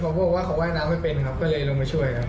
ก็ไปช่วยเหมือนกันครับ